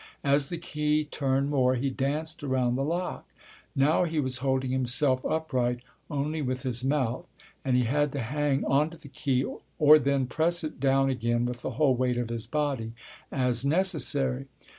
As the key turned more, he danced around the lock. Now he was holding himself upright only with his mouth, and he had to hang onto the key or then press it down again with the whole weight of his body, as necessary.